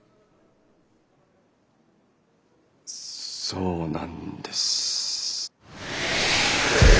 そうなんです。